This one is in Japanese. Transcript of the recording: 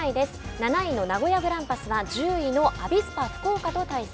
７位の名古屋グランパスは１０位のアビスパ福岡と対戦。